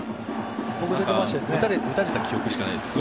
打たれた記憶しかないです。